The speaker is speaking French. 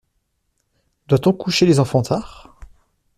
Doit-on coucher les enfants tard?